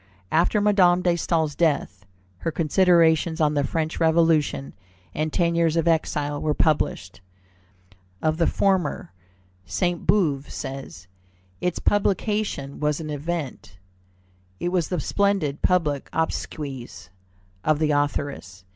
After Madame de Staël's death, her Considerations on the French Revolution and Ten Years of Exile were published. Of the former, Sainte Beuve says: "Its publication was an event. It was the splendid public obsequies of the authoress.